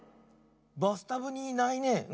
バスタブにいないね。